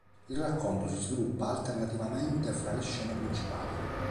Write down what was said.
Il racconto si sviluppa alternativamente fra tre scene principali.